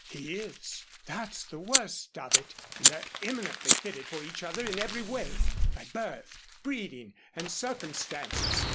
"He is, that's the worst of it and they're eminently fitted for each other in every way by birth, breeding, and circumstances.